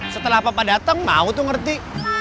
setelah papa datang mau tuh ngerti